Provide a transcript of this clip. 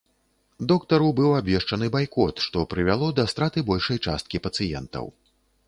Доктару быў абвешчаны байкот, што прывяло да страты большай часткі пацыентаў.